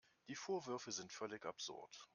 Die Vorwürfe sind völlig absurd.